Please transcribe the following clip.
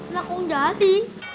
lah kok enggak hati